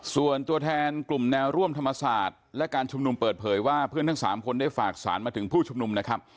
ส่วนตัวแทนกลุ่มแนวร่วมธรรมศาสตร์และการชุมนุมเปิดเผยว่าเพื่อนทั้ง๓คนได้ฝากสารมาถึงผู้ชุมนุมนะครับ